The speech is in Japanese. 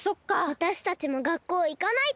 わたしたちもがっこういかないと。